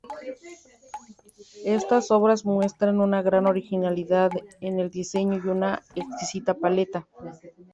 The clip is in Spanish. Estas obras muestran una gran originalidad en el diseño y una exquisita paleta.